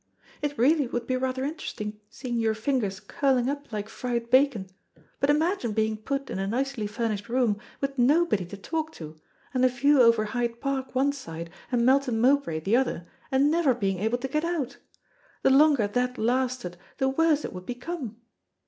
"It really would be rather interesting seeing your fingers curling up like fried bacon, but imagine being put in a nicely furnished room with nobody to talk to, and a view over Hyde Park one side and Melton Mowbray the other, and never being able to get out! The longer that lasted, the worse it would become."